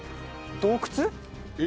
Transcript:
洞窟？